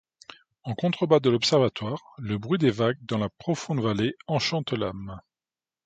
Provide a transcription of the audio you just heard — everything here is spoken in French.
En contrebas de l'observatoire, le bruit des vagues dans la profonde vallée enchante l'âme.